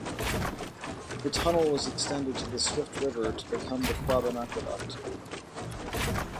The tunnel was extended to the Swift River to become the Quabbin Aqueduct.